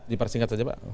dipersingkat saja pak